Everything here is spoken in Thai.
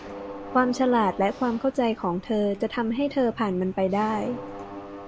ความฉลาด และความเข้าใจของเธอจะทำให้เธอผ่านมันไปได้